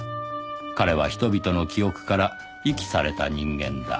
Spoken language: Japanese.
“彼”は人々の記憶から遺棄された人間だ